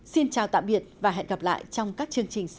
xin chào tạm biệt và hẹn gặp lại trong các chương trình sau